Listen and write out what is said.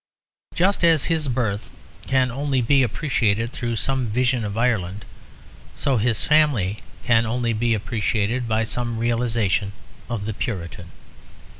Just as his birth can only be appreciated through some vision of Ireland, so his family can only be appreciated by some realisation of the Puritan.